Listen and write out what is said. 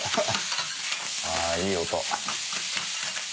あいい音。